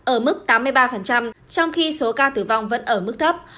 ở mức tám mươi ba trong khi số ca tử vong vẫn ở mức thấp